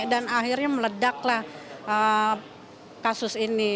dan akhirnya meledaklah kasus ini